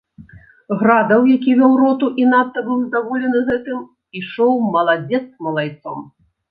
Градаў, які вёў роту і надта быў здаволены гэтым, ішоў маладзец малайцом.